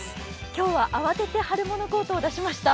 今日は慌てて春物コートを出しました。